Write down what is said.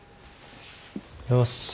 よし。